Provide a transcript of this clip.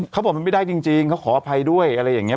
เขาบอกมันไม่ได้จริงเขาขออภัยด้วยอะไรอย่างนี้